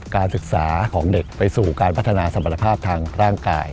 การศึกษาของเด็กไปสู่การพัฒนาสมรรถภาพทางร่างกาย